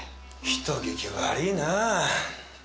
人聞き悪ぃなぁ。